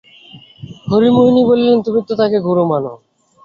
হরিমোহিনী কহিলেন, তুমি তো তাঁকে গুরু বলে মানো।